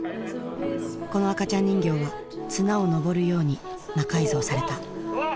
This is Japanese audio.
この赤ちゃん人形は綱を登るように魔改造されたお！